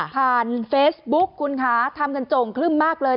ผ่านเฟซบุ๊กคุณค้าทำกันจงขึ้นมากเลย